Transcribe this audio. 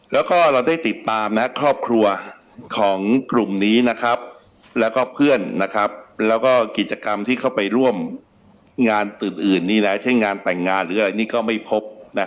แล้วก็เราได้ติดตามครอบครัวของกลุ่มนี้แล้วก็เพื่อนแล้วก็กิจกรรมที่เข้าไปร่วมงานตึกอื่นนี่แหละเช่นงานแต่งงานหรืออะไรนี่ก็ไม่พบ